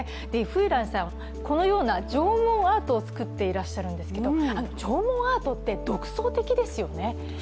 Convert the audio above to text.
猪風来さん、このような縄文アートを作ってらっしゃるんですけど縄文アートって独創的ですよね。